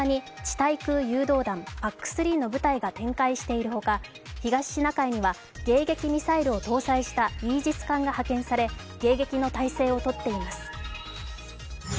対空誘導弾、ＰＡＣ３の部隊が展開しているほか、東シナ海には迎撃ミサイルを搭載したイージス艦が派遣され、迎撃の態勢を取っています。